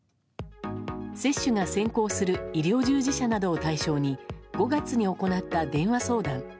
接種が先行する医療従事者などを対象に５月に行った電話相談。